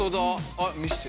あっ見せて。